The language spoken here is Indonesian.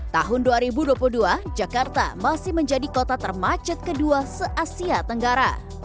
tahun dua ribu dua puluh dua jakarta masih menjadi kota termacet kedua se asia tenggara